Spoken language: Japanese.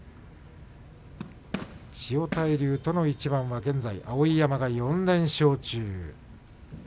千代大龍との一番は現在碧山が４連勝中。